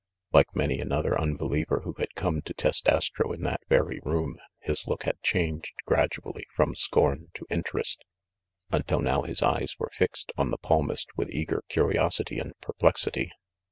Like many another unbe liever who had come to test Astro in that very room, his look had changed gradually from scorn to interest, until now his eyes were fixed on the palmist with eager curiosity and perplexity.